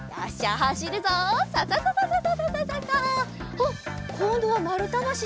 あっこんどはまるたばしだ。